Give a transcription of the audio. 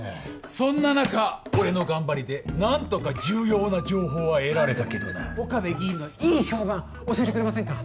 そんな中俺の頑張りで何とか重要な情報は得られたけどな岡部議員のいい評判教えてくれませんか？